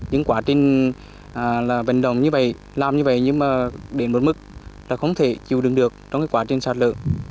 nhưng quá trình vận động như vậy làm như vậy nhưng mà đến một mức là không thể chịu đựng được trong quá trình sạt lở